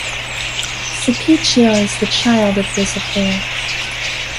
Cipitio is the child of this affair.